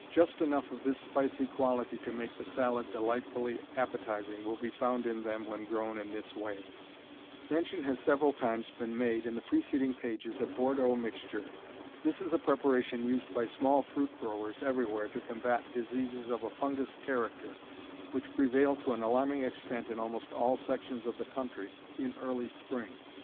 Just enough of this spicy quality to make the salad delightfully appetizing will be found in them when grown in this way. Mention has several times been made in the preceding pages of Bordeaux mixture. This is a preparation used by small fruit growers everywhere to combat diseases of a fungous character which prevail to an alarming extent in almost all sections of the country in early spring.